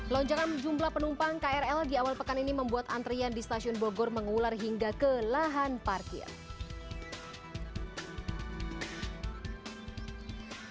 lonjakan jumlah penumpang krl di awal pekan ini membuat antrian di stasiun bogor mengular hingga ke lahan parkir